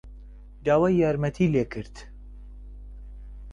داوای یارمەتیی لێ کرد.